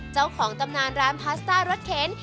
เจ้าของตำนานร้านพาสต้ารถเข็น